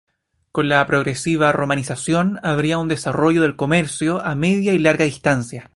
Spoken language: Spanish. Con la progresiva romanización habría un desarrollo del comercio a media y larga distancia.